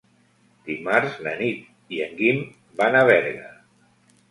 Dimarts na Nit i en Guim van a Berga.